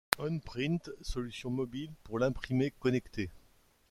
Onprint solution mobile pour l'imprimé connecté.